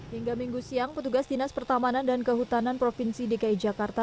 hingga minggu siang petugas dinas pertamanan dan kehutanan provinsi dki jakarta